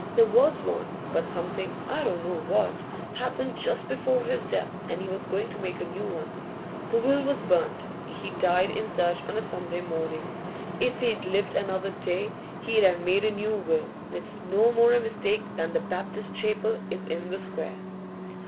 There was one, but something I don't know what happened just before his death, and he was going to make a new one. The will was burnt. He died in church on a Sunday morning; if he'd lived another day, he'd have made a new will. It's no more a mistake than the Baptist Chapel is in the square!